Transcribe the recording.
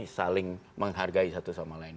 saling menghargai satu sama lain